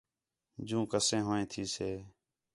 جوں کَتیں ہُون٘ئے تھیسے